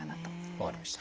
分かりました。